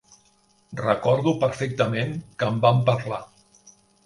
Recordo perfectament que en vam parlar.